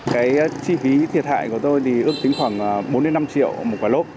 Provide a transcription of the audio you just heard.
cái chi phí thiệt hại của tôi thì ước tính khoảng bốn năm triệu một quả lốp